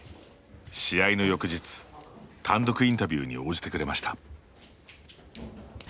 試合の翌日、単独インタビューに応じてくれました。